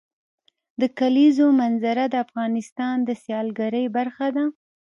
د کلیزو منظره د افغانستان د سیلګرۍ برخه ده.